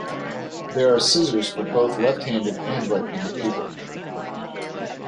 There are scissors for both left-handed and right-handed people.